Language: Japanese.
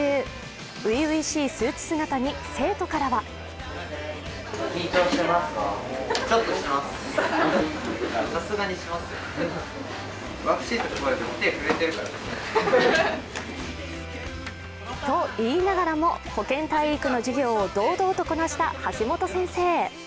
ういういしいスーツ姿に生徒からはと言いながらも保健体育の授業を堂々とこなした橋本先生。